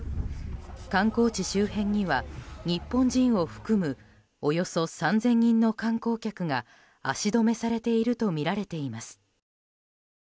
観光地周辺には、日本人を含むおよそ３０００人の観光客が足止めされているとみられています。